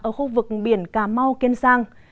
ở khu vực biển cà mau kiên giang